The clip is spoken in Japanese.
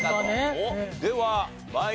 では参りましょう。